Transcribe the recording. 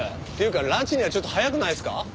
っていうかランチにはちょっと早くないですか？